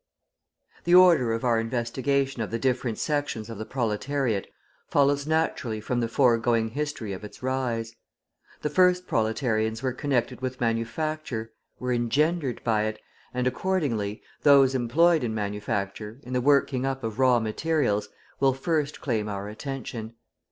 The order of our investigation of the different sections of the proletariat follows naturally from the foregoing history of its rise. The first proletarians were connected with manufacture, were engendered by it, and accordingly, those employed in manufacture, in the working up of raw materials, will first claim our attention.